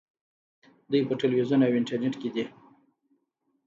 دوی په تلویزیون او انټرنیټ کې دي.